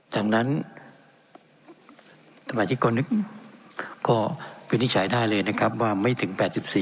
ดังนั้นสมาชิกคนหนึ่งก็วินิจฉัยได้เลยนะครับว่าไม่ถึง๘๔